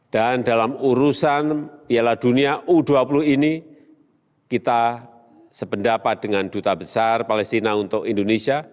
dan dalam urusan piala dunia u dua puluh ini kita sependapat dengan duta besar palestina untuk indonesia